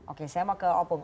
oke saya mau ke opung